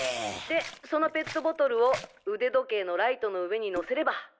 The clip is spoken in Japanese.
でそのペットボトルを腕時計のライトの上に乗せれば。